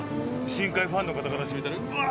深海ファンの方からしてみたらうわ